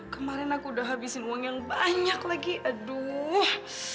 kemarin aku udah habisin uang yang banyak lagi aduh